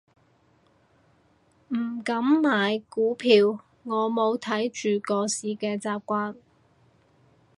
唔敢買股票，我冇睇住個市嘅習慣